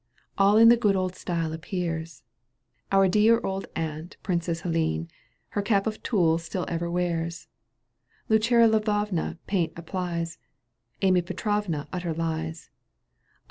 All in the good old style appears, Our dear old aunt, Princess Helene, Her cap of tulle stiU ever wears : Luceria Lvovna paint applies, Amy Petrovna utters lies, Iv.